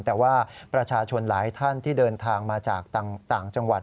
แต่ว่าประชาชนหลายท่านที่เดินทางมาจากต่างจังหวัด